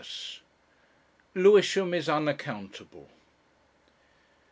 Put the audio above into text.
LEWISHAM IS UNACCOUNTABLE.